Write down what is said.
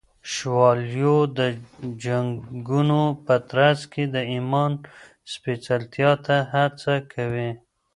شوالیو د جنگونو په ترڅ کي د ایمان سپېڅلتیا ته هڅه کوي.